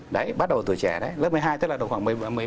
đấy bắt đầu tuổi trẻ đấy lớp một mươi hai tức là khoảng